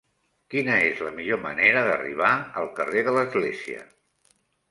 Quina és la millor manera d'arribar al carrer de l'Església?